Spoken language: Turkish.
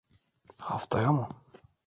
Haftaya mı?